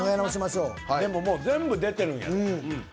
でももう全部出てるんやで。